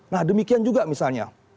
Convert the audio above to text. nah demikian juga misalnya